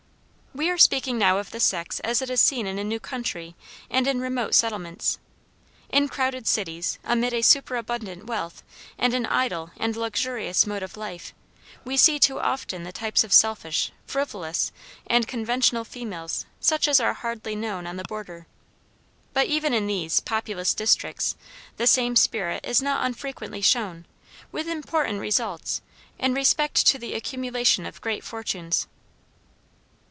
We are speaking now of the sex as it is seen in a new country and in remote settlements. In crowded cities, amid a superabundant wealth, and an idle and luxurious mode of life, we see too often the types of selfish, frivolous, and conventional females such as are hardly known on the border. But even in these, populous districts the same spirit is not unfrequently shown, with important results, in respect to the accumulation of great fortunes.